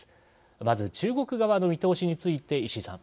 まず中国側の見通しについて石井さん。